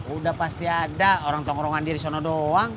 udah pasti ada orang tongkrongan diri sana doang